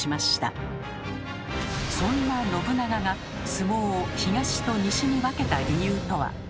そんな信長が相撲を東と西に分けた理由とは？